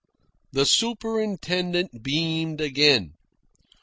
The superintendent beamed again.